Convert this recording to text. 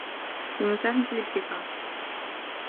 لنساهم في الابتكار